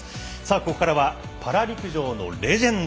ここからはパラ陸上のレジェンド。